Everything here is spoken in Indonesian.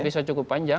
bisa cukup panjang